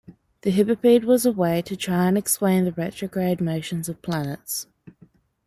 The hippopede was a way to try and explain the retrograde motions of planets.